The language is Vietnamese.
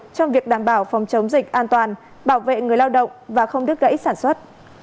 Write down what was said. trong việc đảm bảo phòng chống dịch an toàn bảo vệ người lao động và không đứt gãy sản xuất